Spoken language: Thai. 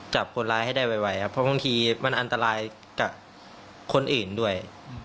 จับคนร้ายให้ได้ไวครับเพราะบางทีมันอันตรายกับคนอื่นด้วย